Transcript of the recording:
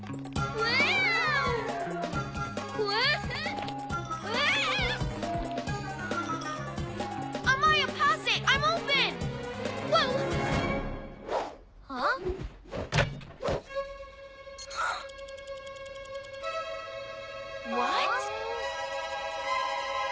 うわ！